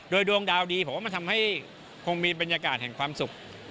ด้วยดวงดาวน์ที่นึกดีมีการทำให้มีบรรยากาศความสุข